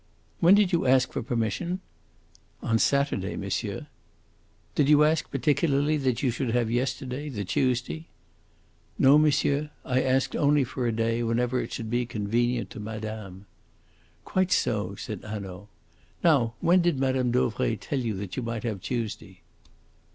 "When did you ask for permission?" "On Saturday, monsieur." "Did you ask particularly that you should have yesterday, the Tuesday?" "No, monsieur; I asked only for a day whenever it should be convenient to madame." "Quite so," said Hanaud. "Now, when did Mme. Dauvray tell you that you might have Tuesday?"